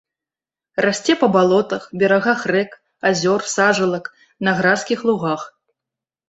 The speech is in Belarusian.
Расце па балотах, берагах рэк, азёр, сажалак, на гразкіх лугах.